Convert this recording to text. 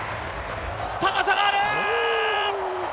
高さがあるー！